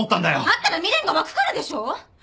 会ったら未練が湧くからでしょ！